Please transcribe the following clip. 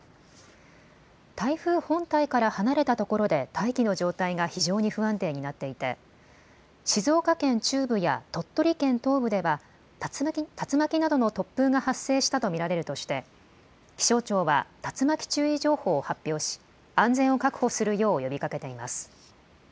台風本体から離れたところで大気の状態が非常に不安定になっていて静岡県中部や鳥取県東部では竜巻などの突風が発生したと見られるとして気象庁は竜巻注意情報を発表し安全を確保するよう呼びかけています。